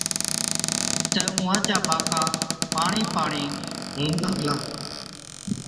تہ اُونهان چا ٻاڪا پاڻِي پاڻِي هُئُون لاگلا۔